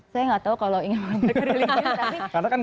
saya gak tahu kalau ingin menggambarkan religius